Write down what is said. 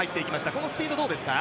このスピードどうですか？